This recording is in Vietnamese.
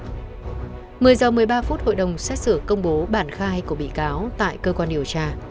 một mươi h một mươi ba phút hội đồng xét xử công bố bản khai của bị cáo tại cơ quan điều tra